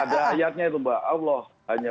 ada ayatnya itu mbak allah hanya